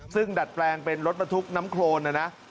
ซึ่งดัดแปลงเป็นรถบรรทุกน้ำโครนนะนะ